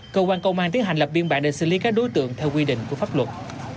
cơ quan công an tiến hành lập biên bản để xử lý các đối tượng theo quy định của pháp luật